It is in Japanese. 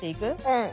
うん。